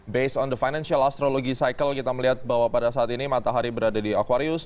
based on the financial astrology cycle kita melihat bahwa pada saat ini matahari berada di aquarius